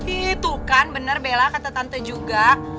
itu kan bener bela kata tante juga